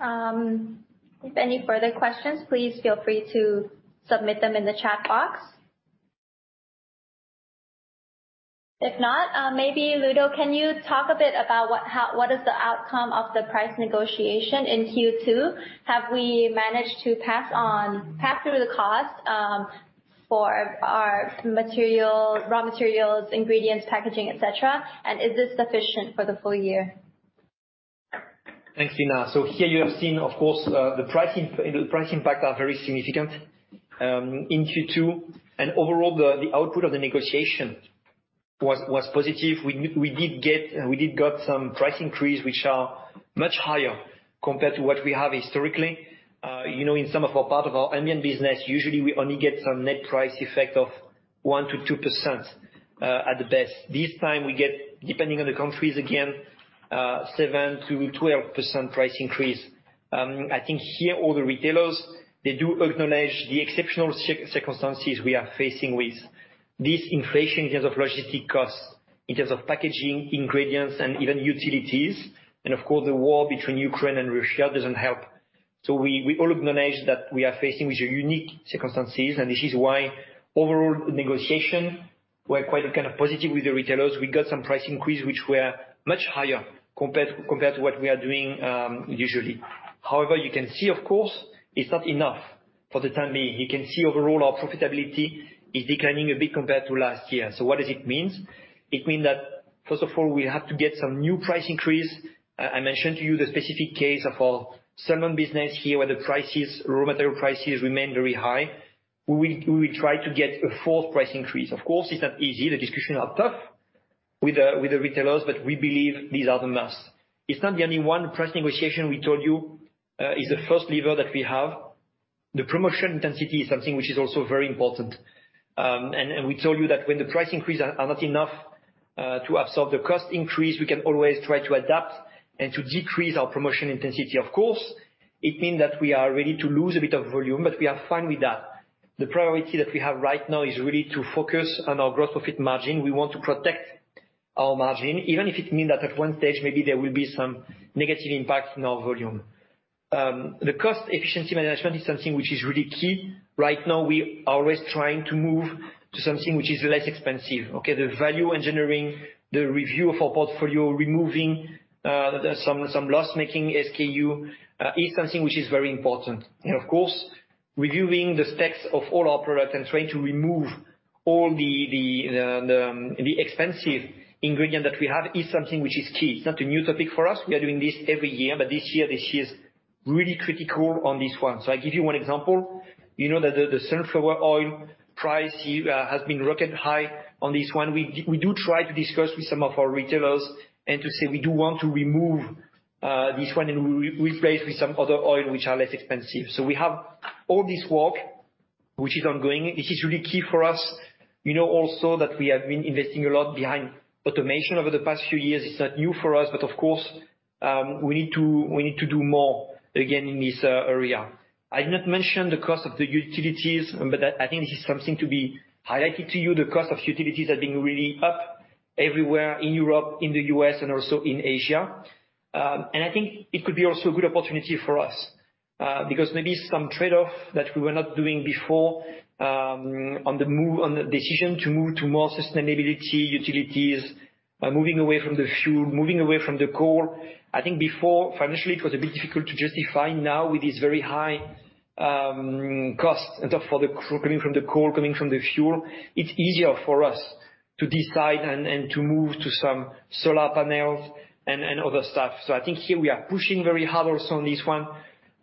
If any further questions, please feel free to submit them in the chat box. If not, maybe Ludo, can you talk a bit about what is the outcome of the price negotiation in Q2? Have we managed to pass on, pass through the costs, for our material, raw materials, ingredients, packaging, et cetera? Is this sufficient for the full year? Thanks, Nina. Here you have seen, of course, the pricing, the price impact are very significant in Q2. Overall, the output of the negotiation was positive. We did get some price increase, which are much higher compared to what we have historically. In some of our part of our Ambient business, usually we only get some net price effect of 1%-2% at the best. This time we get, depending on the countries again, 7%-12% price increase. I think here all the retailers, they do acknowledge the exceptional circumstances we are facing with this inflation in terms of logistic costs, in terms of packaging, ingredients, and even utilities. Of course, the war between Ukraine and Russia doesn't help. We all acknowledge that we are facing with unique circumstances, and this is why overall negotiations were quite positive with the retailers. We got some price increases, which were much higher compared to what we are doing usually. However, you can see of course it's not enough for the time being. You can see overall our profitability is declining a bit compared to last year. What does it mean? It means that, first of all, we have to get some new price increases. I mentioned to you the specific case of our salmon business here, where the raw material prices remain very high. We will try to get a fourth price increase. Of course, it's not easy. The discussions are tough with the retailers, but we believe these are the must. It's not the only one price negotiation we told you. It's the first lever that we have. The promotion intensity is something which is also very important. We told you that when the price increases are not enough to absorb the cost increase, we can always try to adapt and to decrease our promotion intensity. Of course, it means that we are ready to lose a bit of volume, but we are fine with that. The priority that we have right now is really to focus on our gross profit margin. We want to protect our margin, even if it means that at one stage maybe there will be some negative impact on our volume. The cost efficiency management is something which is really key. Right now, we always trying to move to something which is less expensive, okay? The value engineering, the review of our portfolio, removing some loss-making SKU, is something which is very important. Of course, reviewing the specs of all our products and trying to remove all the expensive ingredient that we have is something which is key. It's not a new topic for us. We are doing this every year. This year is really critical on this one. I give you one example. You know that the sunflower oil price here has been rocketing high on this one. We do try to discuss with some of our retailers and to say, "We do want to remove this one and replace with some other oil which are less expensive." We have all this work which is ongoing. This is really key for us. Also that we have been investing a lot behind automation over the past few years. It's not new for us, but of course, we need to do more again in this area. I've not mentioned the cost of the utilities, but that I think this is something to be highlighted to you. The cost of utilities have been really up everywhere in Europe, in the U.S., and also in Asia. I think it could be also a good opportunity for us. Because maybe some trade-off that we were not doing before, on the decision to move to more sustainable utilities by moving away from the fuel, moving away from the coal. I think before financially it was a bit difficult to justify. Now with these very high costs and so coming from the coal, coming from the fuel, it's easier for us to decide and to move to some solar panels and other stuff. I think here we are pushing very hard also on this one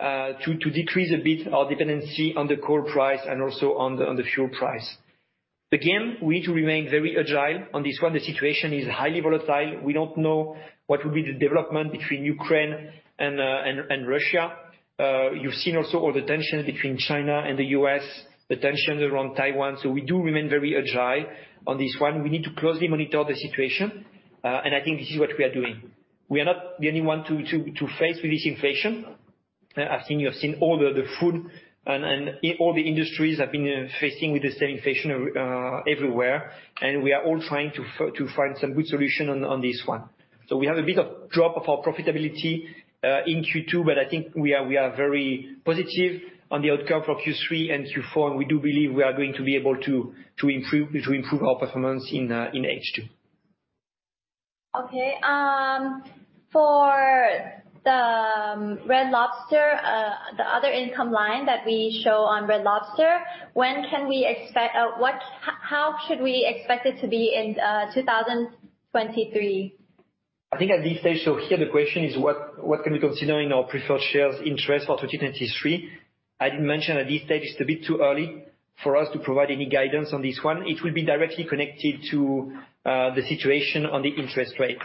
to decrease a bit our dependency on the coal price and also on the fuel price. Again, we need to remain very agile on this one. The situation is highly volatile. We don't know what will be the development between Ukraine and Russia. You've seen also all the tensions between China and the U.S., the tensions around Taiwan. We do remain very agile on this one. We need to closely monitor the situation, and I think this is what we are doing. We are not the only one to face with this inflation. I've seen, you have seen all the food and all the industries have been facing with the same inflation, everywhere, and we are all trying to find some good solution on this one. We have a bit of drop of our profitability in Q2, but I think we are very positive on the outcome for Q3 and Q4, and we do believe we are going to be able to improve our performance in H2. For the Red Lobster, the other income line that we show on Red Lobster, how should we expect it to be in 2023? I think at this stage, here the question is what can we consider in our preferred shares interest for 2023. I didn't mention. At this stage it's a bit too early for us to provide any guidance on this one. It will be directly connected to the situation on the interest rate.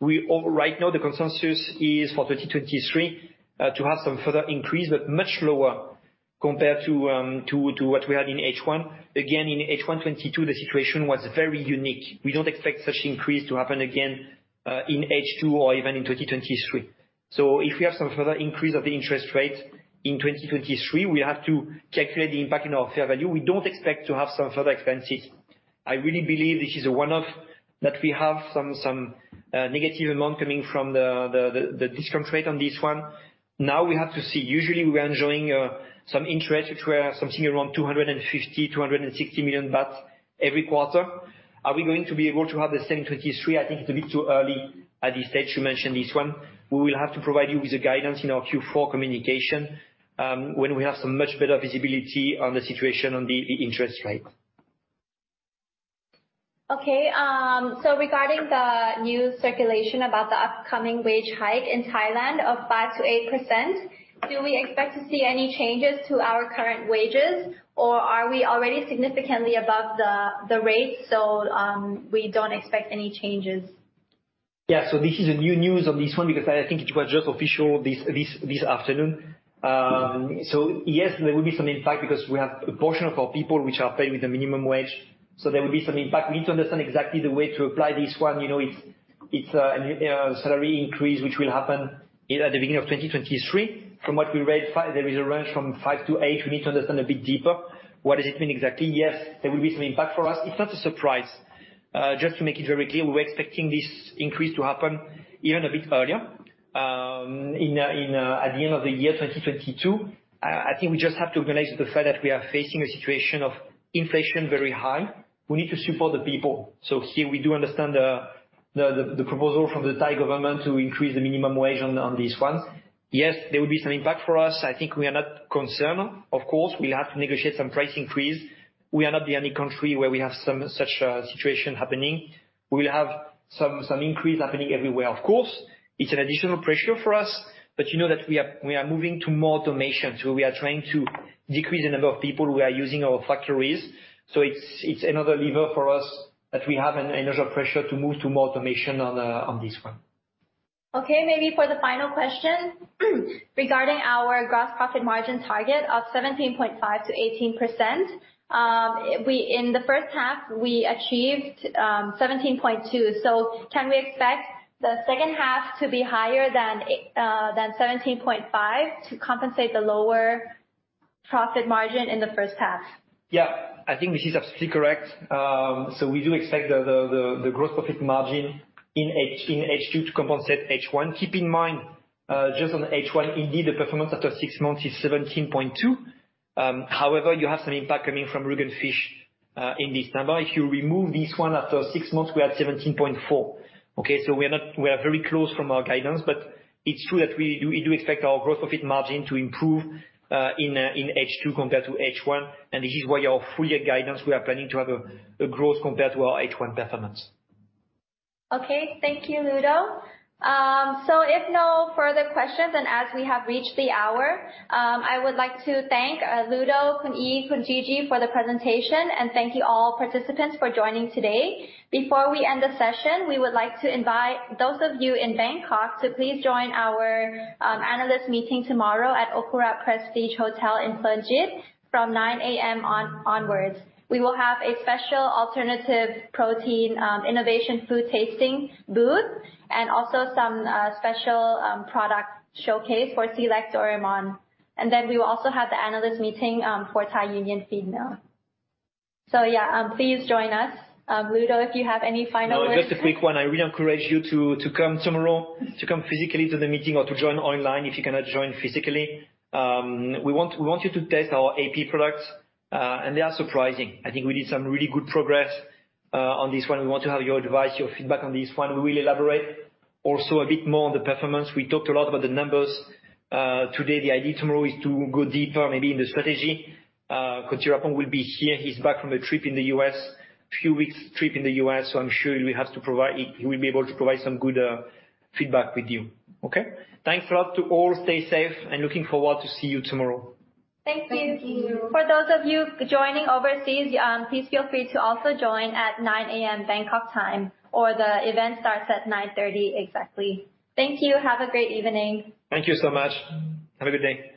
Right now the consensus is for 2023 to have some further increase, but much lower compared to what we had in H1. Again, in H1 2022 the situation was very unique. We don't expect such increase to happen again in H2 or even in 2023. If we have some further increase of the interest rate in 2023, we have to calculate the impact in our fair value. We don't expect to have some further expenses. I really believe this is a one-off that we have some negative amount coming from the discount rate on this one. Now we have to see. Usually we are enjoying some interest which were something around 250 million-260 million baht every quarter. Are we going to be able to have the same 2023? I think it's a bit too early at this stage to mention this one. We will have to provide you with the guidance in our Q4 communication, when we have some much better visibility on the situation on the interest rate. Regarding the new regulation about the upcoming wage hike in Thailand of 5%-8%, do we expect to see any changes to our current wages, or are we already significantly above the rates, so we don't expect any changes? Yeah. This is new news on this one because I think it was just official this afternoon. Yes, there will be some impact because we have a portion of our people which are paid with the minimum wage, so there will be some impact. We need to understand exactly the way to apply this one. It's a salary increase which will happen at the beginning of 2023. From what we read, there is a range from 5%-8%. We need to understand a bit deeper what does it mean exactly. Yes, there will be some impact for us. It's not a surprise. Just to make it very clear, we were expecting this increase to happen even a bit earlier, at the end of the year, 2022. I think we just have to realize the fact that we are facing a situation of inflation very high. We need to support the people. Here we do understand the proposal from the Thai government to increase the minimum wage on these ones. Yes, there will be some impact for us. I think we are not concerned. Of course, we have to negotiate some price increase. We are not the only country where we have some such situation happening. We will have some increase happening everywhere. Of course, it's an additional pressure for us, but that we are moving to more automation, so we are trying to decrease the number of people who are using our factories. It's another lever for us that we have an initial pressure to move to more automation on this one. Okay. Maybe for the final question, regarding our gross profit margin target of 17.5%-18%, in the first half we achieved 17.2%. Can we expect the second half to be higher than 17.5% to compensate the lower profit margin in the first half? Yeah. I think this is absolutely correct. We do expect the gross profit margin in H2 to compensate H1. Keep in mind, just on H1, indeed the performance after six months is 17.2%. However, you have some impact coming from Rügen Fisch in this number. If you remove this one, after six months we are at 17.4%. Okay. We are not. We are very close to our guidance. It's true that we do expect our gross profit margin to improve in H2 compared to H1, and this is why our full year guidance, we are planning to have a growth compared to our H1 performance. Okay. Thank you, Ludo. If no further questions, and as we have reached the hour, I would like to thank Ludo, Khun Ead, Khun GiGi for the presentation. Thank you all participants for joining today. Before we end the session, we would like to invite those of you in Bangkok to please join our analyst meeting tomorrow at Okura Prestige Hotel in Ploenchit from 9:00 A.M. onwards. We will have a special alternative protein innovation food tasting booth and also some special product showcase for SEALECT Doraemon. Then we will also have the analyst meeting for Thai Union Feedmill. Yeah, please join us. Ludo, if you have any final words. No, just a quick one. I really encourage you to come tomorrow, to come physically to the meeting or to join online if you cannot join physically. We want you to test our AP products, and they are surprising. I think we did some really good progress on this one. We want to have your advice, your feedback on this one. We will elaborate also a bit more on the performance. We talked a lot about the numbers today. The idea tomorrow is to go deeper maybe in the strategy. Thiraphong Chansiri will be here. He's back from a trip in the U.S., few weeks trip in the U.S., so he will be able to provide some good feedback with you. Okay. Thanks a lot to all. Stay safe, and looking forward to see you tomorrow. Thank you. Thank you. For those of you joining overseas, please feel free to also join at 9:00 A.M. Bangkok time or the event starts at 9:30 A.M. exactly. Thank you. Have a great evening. Thank you so much. Have a good day.